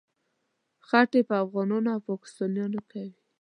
خټې په افغانانو او پاکستانیانو کوي.